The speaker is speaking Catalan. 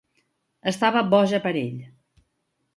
Estava boja per ell.